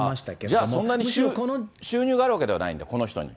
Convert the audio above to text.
じゃあ、そんなに収入があるわけじゃないんだ、この人に。